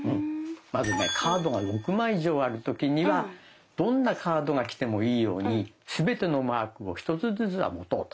まずねカードが６枚以上ある時にはどんなカードが来てもいいように全てのマークを１つずつは持とうと。